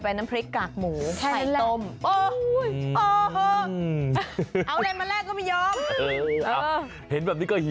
ไปน้ำพริกกากหมูไข่ต้มเอาอะไรมาแลกก็ไม่ยอมเห็น